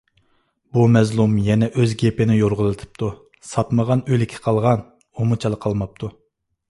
بۇ مەزلۇم يەنە ئۆز گېپىنى يورغىلىتىپتۇ. ساتمىغان ئۆلىكى قالغان، ئۇمۇ چالا قالماپتۇ.